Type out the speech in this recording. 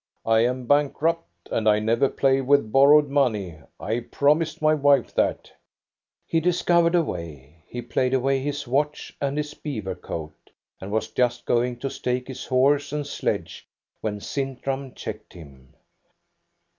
I am bankrupt, and I never play with borrowed money. I promised my wife that." He discovered a way. He played away his watch and his beaver coat, and was just going to stake his horse and sledge when Sintram checked him.